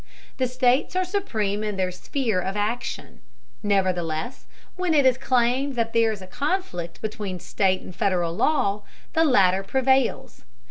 The states are supreme in their sphere of action; nevertheless, when it is claimed that there is a conflict between state and Federal law, the latter prevails.